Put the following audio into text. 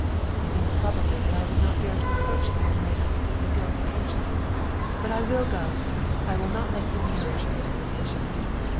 " He thinks probably that I would not dare to approach the young lady because of a guilty conscience. But I will go! I will not let him nourish this suspicion.